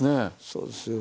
そうですよ。